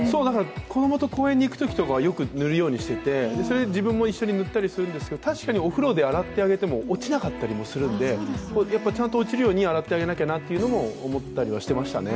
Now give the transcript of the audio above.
子供と公園に行くときとかはよく塗るようにしていてそれで自分も一緒に塗ったりするんですが、お風呂で洗ってあげても落ちなかったりするんでやっぱりちゃんと落ちるように洗ってあげなきゃなとは思ったりしてましたね。